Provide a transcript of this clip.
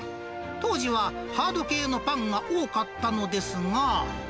当時はハード系のパンが多かったのですが。